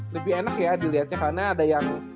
lebih enak ya dilihatnya karena ada yang